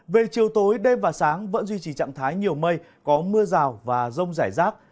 về chiều tối đêm và sáng vẫn duy trì trạng thái nhiều mây có mưa rào và rông rải rác